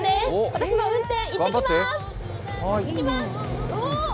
私も運転行ってきます！